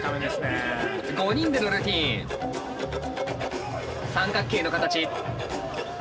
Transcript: ５人でのルーティーン！三角形の形。